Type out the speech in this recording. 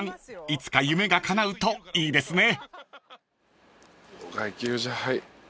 いつか夢がかなうといいですね］